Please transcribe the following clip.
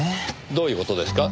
どういう事ですか？